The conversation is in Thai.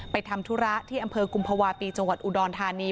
ทำธุระที่อำเภอกุมภาวะปีจังหวัดอุดรธานี